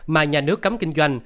mà nhà nước cấm kinh doanh